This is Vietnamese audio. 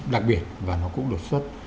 đặc biệt và nó cũng đột xuất